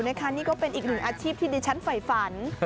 นี่ก็เป็นอีกหนึ่งอาชีพที่ดิฉันฝ่ายฝัน